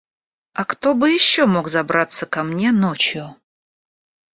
А кто бы еще мог забраться ко мне ночью?